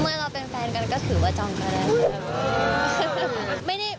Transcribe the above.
เมื่อเป็นแฟนกันก็ถือว่าจองก็ได้